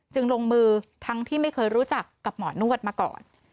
จึงลงมือทั้งที่ไม่เคยรู้จักมอร์นนวดมาก่อน